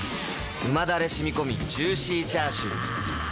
うまダレしみこみジューシーチャーシュー